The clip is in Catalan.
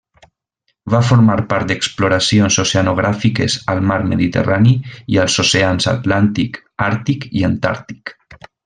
Va formar part d'exploracions oceanogràfiques al mar Mediterrani i als oceans Atlàntic, Àrtic i Antàrtic.